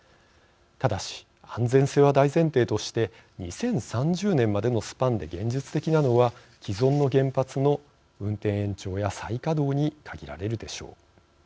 ただし、安全性は大前提として２０３０年までのスパンで現実的なのは既存の原発の運転延長や再稼働に限られるでしょう。